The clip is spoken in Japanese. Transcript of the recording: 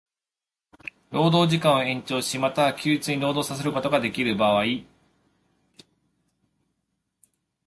労働時間を延長し、又は休日に労働させることができる場合